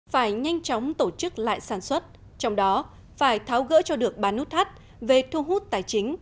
phải nhanh chóng tổ chức lại sản xuất trong đó phải tháo gỡ cho được ba nút thắt về thu hút tài chính